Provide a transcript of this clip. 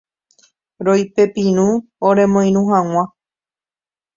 Roipepirũ oremoirũ hag̃ua.